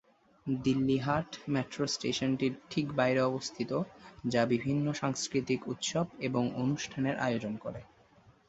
Delhi Haat metro স্টেশনটির ঠিক বাইরে অবস্থিত, যা বিভিন্ন সাংস্কৃতিক উৎসব এবং অনুষ্ঠানের আয়োজন করে।